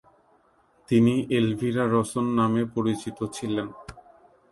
তিনি এলভিরা রসন নামে পরিচিত ছিলেন।